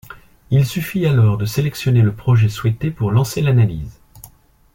Il suffit alors de sélectionner le projet souhaité pour lancer l’analyse.